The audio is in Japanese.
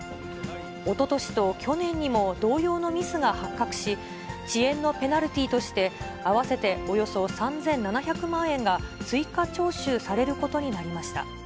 おととしと去年にも同様のミスが発覚し、遅延のペナルティーとして合わせておよそ３７００万円が追加徴収されることになりました。